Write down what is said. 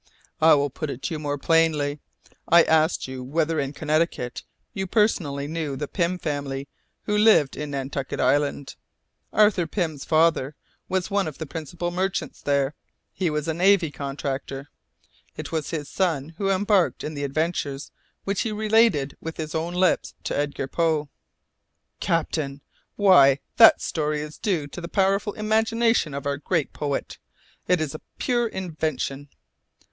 "I will put it to you more plainly. I ask you whether in Connecticut you personally knew the Pym family who lived in Nantucket Island? Arthur Pam's father was one of the principal merchants there, he was a Navy contractor. It was his son who embarked in the adventures which he related with his own lips to Edgar Poe " "Captain! Why, that story is due to the powerful imagination of our great poet. It is a pure invention."